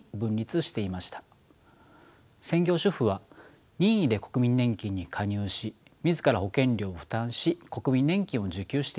専業主婦は任意で国民年金に加入し自ら保険料を負担し国民年金を受給していました。